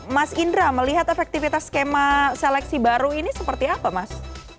mas indra melihat efektivitas skema seleksi baru ini seperti apa mas